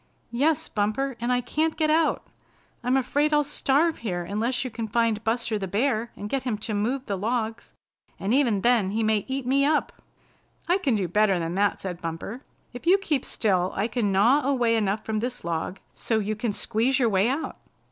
"Yes, Bumper, and I can't get out. I'm afraid I'll starve here unless you can find Buster the Bear and get him to move the logs. And even then he may eat me up." "I can do better than that," said Bumper. "If you keep still I can gnaw away enough from this log so you can squeeze your way out."